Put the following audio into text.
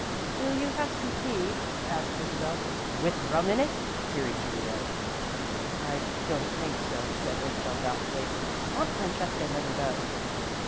"Will you have some tea?" asked Isabel. "With rum in it?" queried Juliet. "I don't think so," said Isabel, doubtfully. "Aunt Francesca never does."